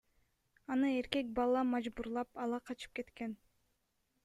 Аны эркек бала мажбурлап ала качып кеткен.